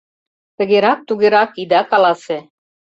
Тыгерак-тугерак ида каласе: